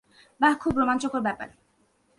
বাহ খুব রোমাঞ্চকর ব্যাপার।